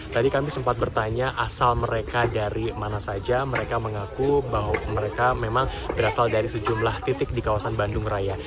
tadi kami sempat bertanya asal mereka dari mana saja mereka mengaku bahwa mereka memang berasal dari sejumlah titik di kawasan bandung raya